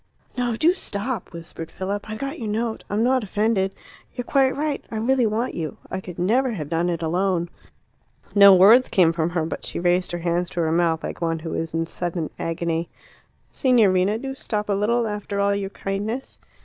"No, do stop!" whispered Philip. "I got your note. I'm not offended; you're quite right. I really want you; I could never have done it alone." No words came from her, but she raised her hands to her mouth, like one who is in sudden agony. "Signorina, do stop a little after all your kindness."